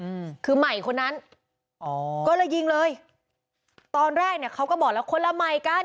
อืมคือใหม่คนนั้นอ๋อก็เลยยิงเลยตอนแรกเนี้ยเขาก็บอกแล้วคนละใหม่กัน